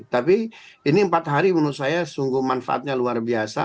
tapi ini empat hari menurut saya sungguh manfaatnya luar biasa